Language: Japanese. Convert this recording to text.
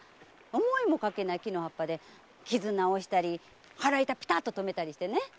思いもかけない木の葉っぱで傷を治したり腹痛をピタッと止めたりしてね。